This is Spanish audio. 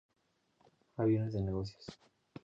Avión de negocios.